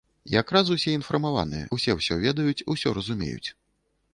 Якраз усе інфармаваныя, усе ўсё ведаюць, усё разумеюць.